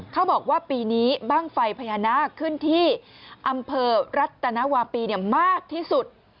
เขาบอกว่าปีนี้บ้างไฟพญานาคขึ้นที่อำเภอรัตนวาปีมากที่สุด